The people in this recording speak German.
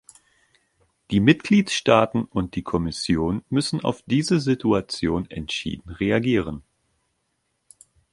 Die Mitgliedstaaten und die Kommission müssen auf diese Situation entschieden reagieren.